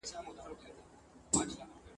کوډي جادو او منترونه لیکي !.